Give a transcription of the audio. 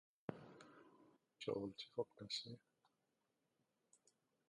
The industrial sector has had enormous difficulty to emerge significantly.